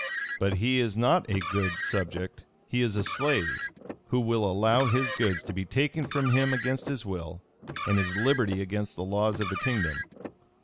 But he is not a good subject, he is a slave, who will allow his goods to be taken from him against his will, and his liberty against the laws of the kingdom.